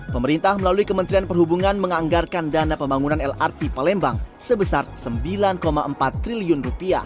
pemerintah melalui kementerian perhubungan menganggarkan dana pembangunan lrt palembang sebesar rp sembilan empat triliun